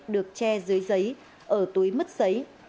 được che dưới giấy ở túi mất giấy